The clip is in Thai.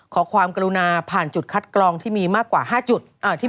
ขอความกรุณาผ่านจุดคัดกรองที่มีมากกว่า๕จุด